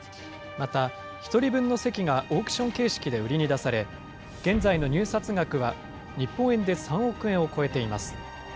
また、１人分の席がオークション形式で売りに出され、現在の入札額は日本円で３億円を超えています。